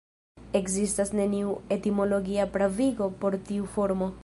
Ekzistas neniu etimologia pravigo por tiu formo.